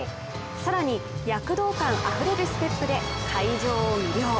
更に躍動感あふれるステップで会場を魅了。